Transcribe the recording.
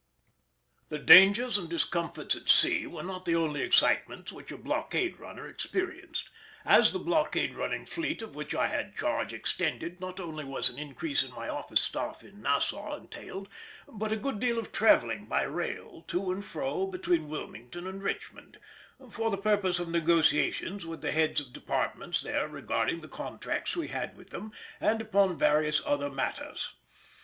The dangers and discomforts at sea were not the only excitements which a blockade runner experienced. As the blockade running fleet of which I had charge extended, not only was an increase in my office staff in Nassau entailed, but a good deal of travelling by rail to and fro between Wilmington and Richmond, for the purpose of negotiations with the heads of departments there regarding the contracts we had with them, and upon various other matters.